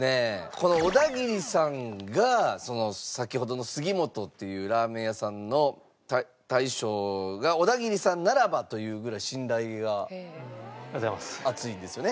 この小田桐さんがその先ほどのすぎ本っていうラーメン屋さんの大将が小田桐さんならばと言うぐらい信頼が厚いんですよね。